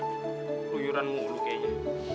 ruyuran mulu kayaknya